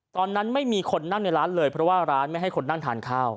ตอนนั้นไม่มีคนนั่งในร้านเลยเพราะว่าร้านไม่ให้คนนั่งทานข้าว